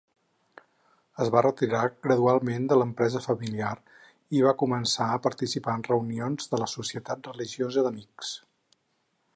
Es va retirar gradualment de l'empresa familiar i va començar a participar en reunions de la Societat Religiosa d'Amics.